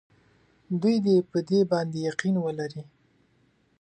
دوی دې په دې باندې یقین ولري.